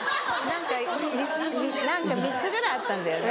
何か３つぐらいあったんだよね。